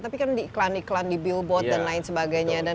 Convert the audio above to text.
tapi kan di iklan iklan di billboard dan lain sebagainya